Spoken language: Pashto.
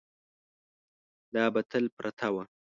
دا به تل پرته وه.